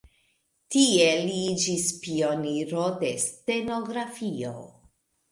Tie li iĝis pioniro de stenografio.